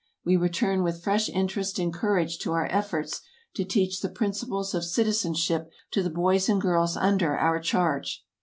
We return with fresh interest and courage to our efforts to teach the principles of citizenship to the boys and girls under our charge.